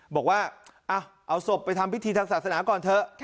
บอกว่าเอาศพไปทำพิธีทางศาสนาก่อนเถอะ